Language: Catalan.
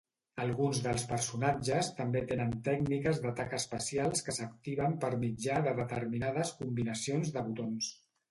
Alguns dels personatges també tenen tècniques d'atac especials que s'activen per mitjà de determinades combinacions de botons.